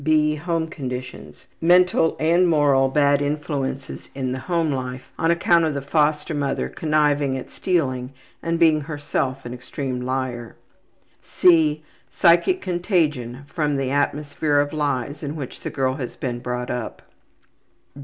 (b) Home conditions. Mental and moral bad influences in the home life on account of the foster mother conniving at stealing and being herself an extreme liar. (c) Psychic contagion from the atmosphere of lies in which the girl has been brought up.